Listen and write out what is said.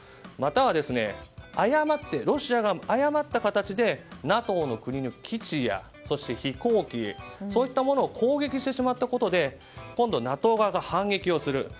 または、ロシアが誤った形でＮＡＴＯの国の基地や飛行機そういったものを攻撃してしまったことで今度はＮＡＴＯ側が反撃をする。